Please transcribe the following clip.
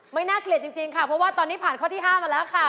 น่าเกลียดจริงค่ะเพราะว่าตอนนี้ผ่านข้อที่๕มาแล้วค่ะ